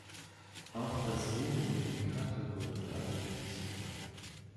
Auch das Zoomen in die Karte wurde dadurch flüssiger.